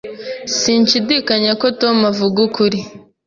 Sinshidikanya ko Tom avuga ukuri.